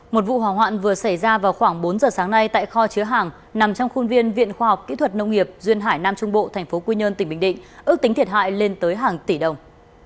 một vụ hỏa hoạn vừa xảy ra vào khoảng bốn giờ sáng nay tại kho chứa hàng nằm trong khuôn viên viện khoa học kỹ thuật nông nghiệp duyên hải nam trung bộ tp quy nhơn tỉnh bình định ước tính thiệt hại lên tới hàng tỷ đồng